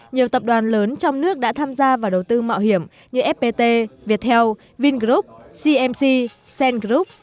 nhiều tập đoàn lớn trong nước đã tham gia vào đầu tư mạo hiểm như fpt viettel vingroup cmc cent group